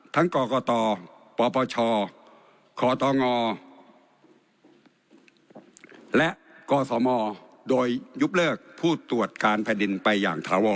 กรกตปปชคตงและกศมโดยยุบเลิกผู้ตรวจการแผ่นดินไปอย่างถาวร